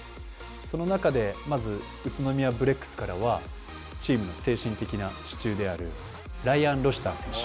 その中でまず、宇都宮ブレックスからはチームの精神的な支柱であるライアンロシター選手。